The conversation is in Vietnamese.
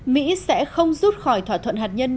mỹ sẽ không rút khỏi thỏa thuận hạt nhân